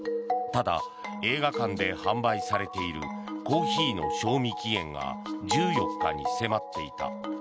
ただ、映画館で販売されているコーヒーの賞味期限が１４日に迫っていた。